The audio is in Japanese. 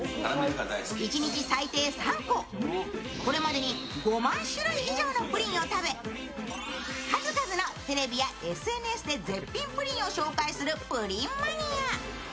１日最低３個、これまでに５万種類以上のプリンを食べ数々のテレビやＳＮＳで絶品プリンを紹介するプリンマニア。